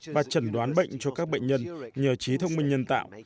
và chẩn đoán bệnh cho các bệnh nhân nhờ trí thông minh nhân tạo